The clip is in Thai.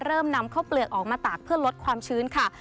เริ่มนำข้าวเปลือกออกมาตากเพื่อลดความชื้นค่ะ